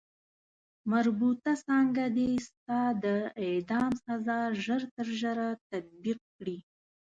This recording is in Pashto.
مربوطه څانګه دې ستا د اعدام سزا ژر تر ژره تطبیق کړي.